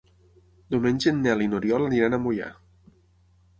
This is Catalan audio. Diumenge en Nel i n'Oriol aniran a Moià.